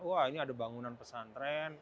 wah ini ada bangunan pesantren